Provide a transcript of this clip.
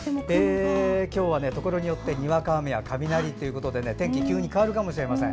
今日はところによってにわか雨や雷ということで天気が急に変わるかもしれません。